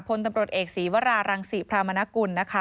พลตำรวจเอกศีวรารังศรีพรามนกุลนะคะ